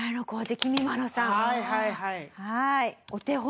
はいはいはい。